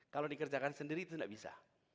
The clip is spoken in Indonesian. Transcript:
kalau dikerjakan sendiri itu tidak bisa